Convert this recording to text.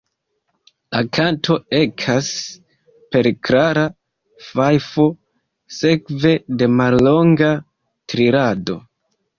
La kanto ekas per klara fajfo, sekve de mallonga trilado.